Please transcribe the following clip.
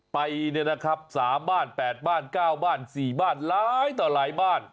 ไปเนี่ยนะครับ๓บ้าน๘บ้าน๙บ้าน๔บ้านหลายต่อหลายบ้าน